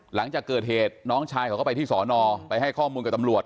หลังจากเกิดเหตุน้องชายเขาก็ไปที่สอนอไปให้ข้อมูลกับตำรวจ